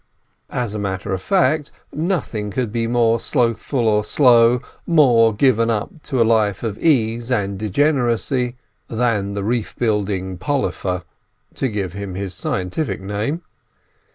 As a matter of fact, nothing could be more slothful or slow, more given up to a life of ease and degeneracy, than the "reef building polypifer"—to give him his scientific name.